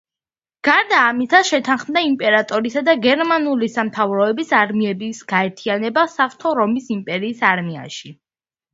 გარდა ამისა შეთანხმდა იმპერატორისა და გერმანული სამთავროების არმიების გაერთიანება საღვთო რომის იმპერიის არმიაში.